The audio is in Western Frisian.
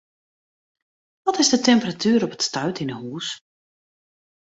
Wat is de temperatuer op it stuit yn 'e hûs?